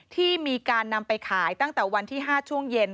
ที่มีการนำไปขายตั้งแต่วันที่๕ช่วงเย็น